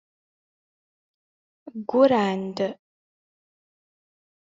Ggurrɛen-d.